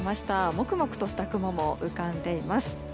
もくもくとした雲も浮かんでいます。